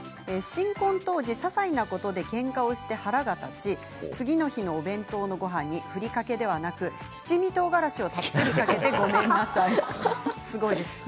新婚当時ささいなことでけんかをして腹が立ち次の日のお弁当のごはんにふりかけではなく七味とうがらしをたっぷりかけてごめんなさい。